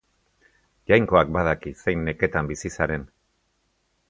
Jainkoak badaki zein neketan bizi zaren.